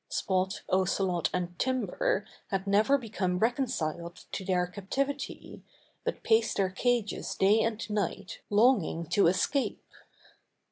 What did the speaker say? Spot, Ocelot and Timber had never become reconciled to their captivity, but paced their cages day and night longing to escape.